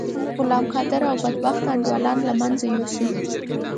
غلام قادر او بدبخته انډيوالان له منځه یوسی.